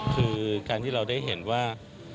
คือการที่เราได้เห็นว่า